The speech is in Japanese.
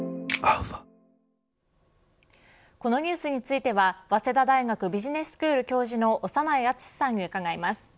このニュースについては早稲田大学ビジネススクール教授の長内厚さんに伺います。